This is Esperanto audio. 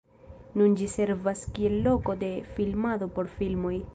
Nun ĝi servas kiel loko de filmado por filmoj.